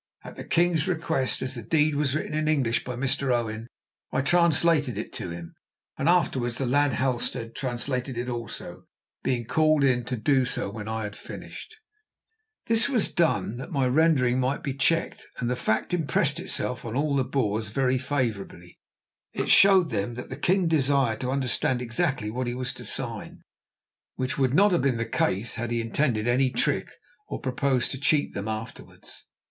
At the king's request, as the deed was written in English by Mr. Owen, I translated it to him, and afterwards the lad Halstead translated it also, being called in to do so when I had finished. This was done that my rendering might be checked, and the fact impressed all the Boers very favourably. It showed them that the king desired to understand exactly what he was to sign, which would not have been the case had he intended any trick or proposed to cheat them afterwards.